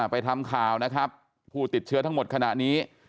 ไปทำข่าวนะครับผู้ติดเชื้อทั้งหมดขณะนี้